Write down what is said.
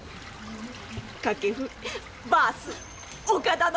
掛布バース岡田の。